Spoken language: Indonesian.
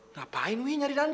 ngapain wih nyari dan andre